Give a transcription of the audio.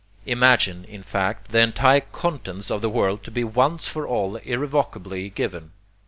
Imagine, in fact, the entire contents of the world to be once for all irrevocably given.